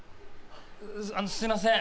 あのすいません。